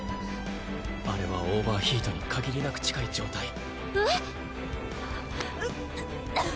あれはオーバーヒートに限りなく近い状態えっ？